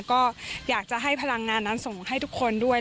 ก็อยากจะให้พลังงานนั้นส่งให้ทุกคนด้วย